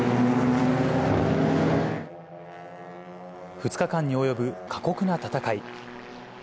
２日間に及ぶ過酷な戦い。